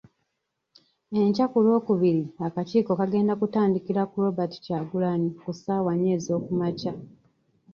Enkya ku Lwokubiri, akakiiko kagenda kutandikira ku Robert Kyagulanyi ku ssaawa nnya ez'okumakya,